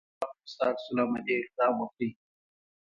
د باطل له ځواک وروسته عکس العملي اقدام وکړئ.